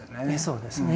そうですね。